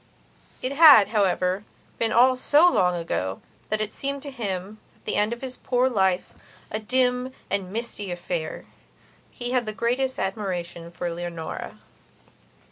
It had, however, been all so long ago that it seemed to him, at the end of his poor life, a dim and misty affair. He had the greatest admiration for Leonora.